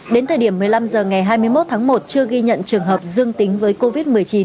đến thời điểm một mươi năm h ngày hai mươi một tháng một chưa ghi nhận trường hợp dương tính với covid một mươi chín